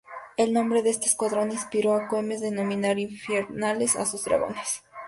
El nombre de este escuadrón inspiró a Güemes a denominar "infernales" a sus dragones.